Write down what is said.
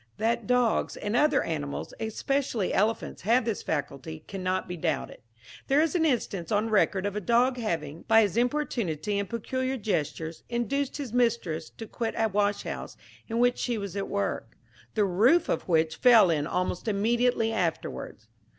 That dogs and other animals, especially elephants, have this faculty, cannot be doubted. There is an instance on record of a dog having, by his importunity and peculiar gestures, induced his mistress to quit a washhouse in which she was at work, the roof of which fell in almost immediately afterwards.